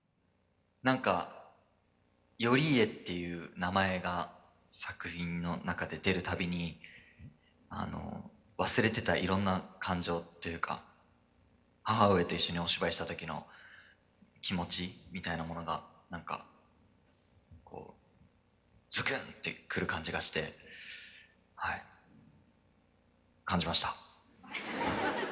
「何か頼家っていう名前が作品の中で出る度にあの忘れてたいろんな感情というか母上と一緒にお芝居した時の気持ちみたいなものが何かこうズクンって来る感じがしてはい感じました」。